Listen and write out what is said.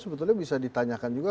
sebetulnya bisa ditanyakan juga